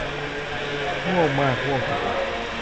ง่วงมาก ง่วงเกินไป